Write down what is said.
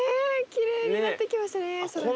きれいになってきましたね空が。